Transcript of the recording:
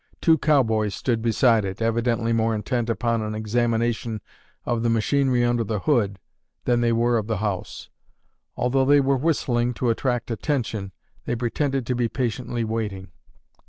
Two cowboys stood beside it, evidently more intent upon an examination of the machinery under the hood than they were of the house. Although they were whistling, to attract attention, they pretended to be patiently waiting.